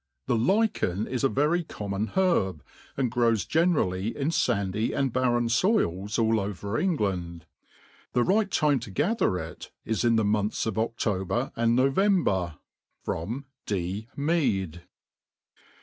The lichen is a very common herb, and grow$ generally in fandy and barren foils all 'Over England. The right time to gather it is in the months of Odober and No vember. D. Mead.